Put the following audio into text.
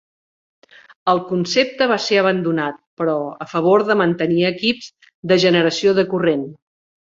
El concepte va ser abandonat, però, a favor de mantenir equips de generació de corrent.